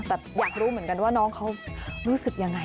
แต่อยากรู้เหมือนกันว่าน้องเขารู้สึกยังไง